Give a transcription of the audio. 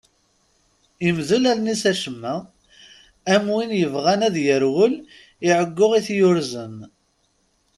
Imdel allen-is acemma, am win yebɣan ad yerwel i ɛeggu i t-yurzen.